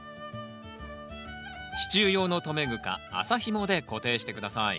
支柱用の留め具か麻ひもで固定して下さいＯＫ。